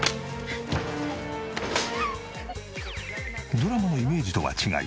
ドラマのイメージとは違い